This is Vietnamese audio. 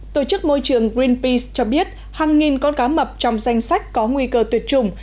tổ chức môi trường greenpeace cho biết hàng nghìn con cá mập trong danh sách có nguy cơ tuyệt chủng